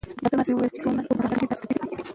ډاکټره ماسي وویل چې سونا اوږدمهاله ګټې ندي ثابته کړې.